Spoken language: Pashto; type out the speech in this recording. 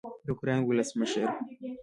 د اوکراین ولسمشر